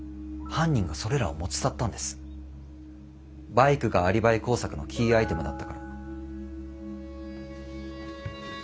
バイクがアリバイ工作のキーアイテムだったから。